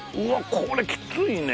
これきついね。